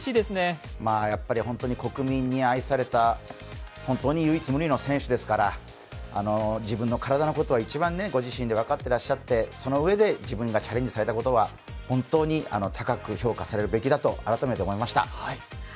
本当に国民に愛された本当に唯一無二の選手ですから、自分の体ことは一番ご自身で分かっていらっしゃって、そのうえで自分がチャレンジされたことは本当に高く評価されるべきだと改めて思いました。